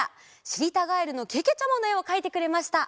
「しりたガエルのけけちゃま」のえをかいてくれました。